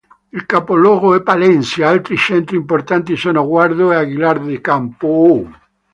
Il capoluogo è Palencia, altri centri importanti sono Guardo e Aguilar de Campoo.